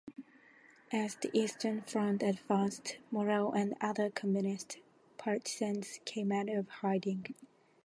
As the Eastern Front advanced, Morel and other communist partisans came out of hiding.